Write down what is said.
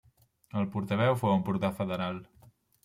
El seu portaveu fou Empordà Federal.